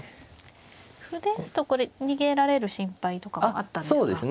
歩ですとこれ逃げられる心配とかあったんですか。